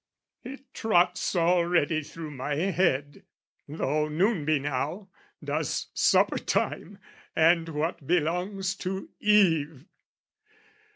It trots Already through my head, though noon be now, Does supper time and what belongs to eye.